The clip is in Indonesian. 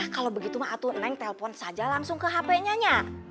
kalau begitu ma'atu neng telpon saja langsung ke hp nya nya